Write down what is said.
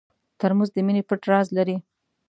ترموز د مینې پټ راز لري.